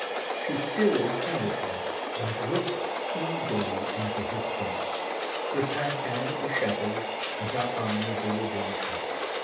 She still held him, and looked eagerly into his face, with her hair dishevelled and her eyes all bloodshot.